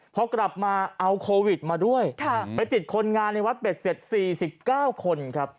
พอกลับมาเอาโควิดมาด้วยไปติดคนงานในวัดเป็ดเสร็จ๔๙คนครับ